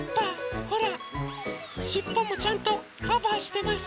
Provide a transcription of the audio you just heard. ほらしっぽもちゃんとカバーしてます。